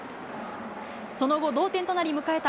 その後、同点となり迎えた